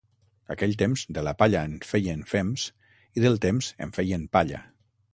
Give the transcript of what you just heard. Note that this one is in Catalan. Aquell temps de la palla en feien fems i del temps en feien palla.